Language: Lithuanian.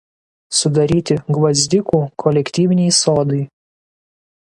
Sudaryti Gvazdikų kolektyviniai sodai.